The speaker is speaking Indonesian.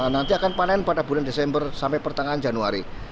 nanti akan panen pada bulan desember sampai pertengahan januari